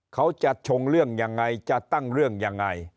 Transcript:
ชงเรื่องยังไงจะตั้งเรื่องยังไง